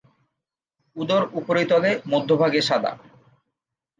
উদর উপরিতলে মধ্যভাগে সাদা।